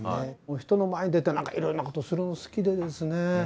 人の前に出て何かいろんなことするの好きでですね。